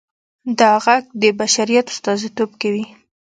دا غږ د بشریت استازیتوب کوي.